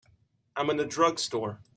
I'm in a drugstore.